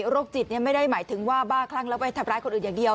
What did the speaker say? จิตไม่ได้หมายถึงว่าบ้าคลั่งแล้วไปทำร้ายคนอื่นอย่างเดียว